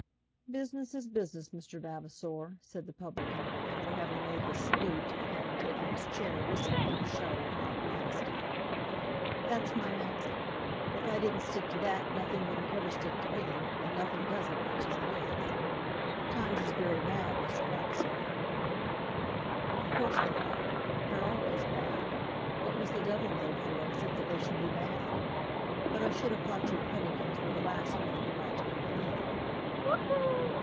"Business is business, Mr. Vavasor," said the publican, after having made his salute, and having taken his chair with some little show of mock modesty. "That's my maxim. If I didn't stick to that, nothing wouldn't ever stick to me; and nothing doesn't much as it is. Times is very bad, Mr. Vavasor." "Of course they are. They're always bad. What was the Devil made for, except that they should be bad? But I should have thought you publicans were the last men who ought to complain."